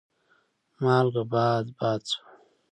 مالګه باد باد شوه.